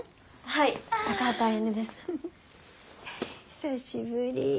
久しぶり。